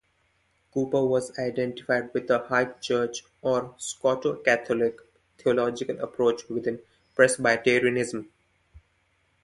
Cooper was identified with a High Church or "Scoto-Catholic" theological approach within Presbyterianism.